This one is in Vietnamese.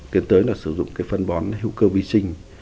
tiến tới là sử dụng cái phân bón hữu cơ vi sinh